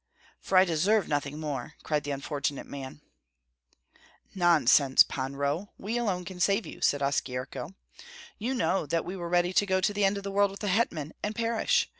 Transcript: "For I deserve nothing more!" cried the unfortunate man. "Nonsense, Pan Roh! We alone can save you," said Oskyerko. "You know that we were ready to go to the end of the world with the hetman, and perish.